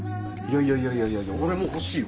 いやいやいや俺も欲しいよ